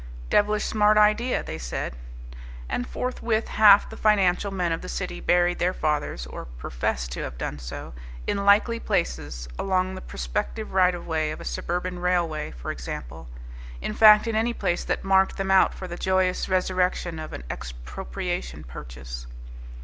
"Devilish smart idea!" they said; and forthwith half the financial men of the city buried their fathers, or professed to have done so, in likely places along the prospective right of way of a suburban railway, for example; in fact, in any place that marked them out for the joyous resurrection of an expropriation purchase.